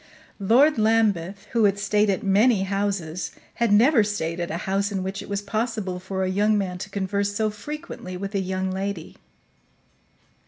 Lord Lambeth, who had stayed at many houses, had never stayed at a house in which it was possible for a young man to converse so frequently with a young lady.